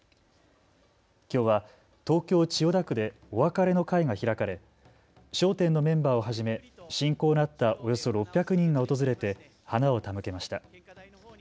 きょうは東京千代田区でお別れの会が開かれ笑点のメンバーをはじめ親交のあったおよそ６００人が訪れて花を手向けました。